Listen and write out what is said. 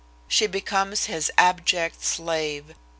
She becomes his abject slave.